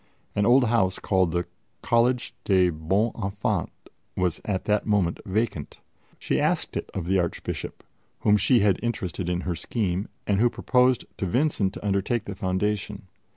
An old house called the Collège des Bons Enfants was at that moment vacant. She asked it of the Archbishop, whom she had interested in her scheme, and who proposed to Vincent to undertake the foundation.